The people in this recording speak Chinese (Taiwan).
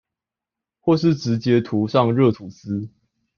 或是直接塗上熱吐司